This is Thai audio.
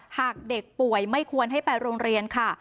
หากเด็กป่วยไม่ควรให้ไปโรงเรียนค่ะ